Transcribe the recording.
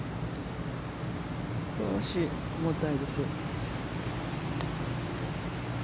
少し重たいです。